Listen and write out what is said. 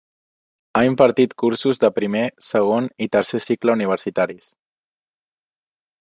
Ha impartit cursos de primer, segon i tercer cicle universitaris.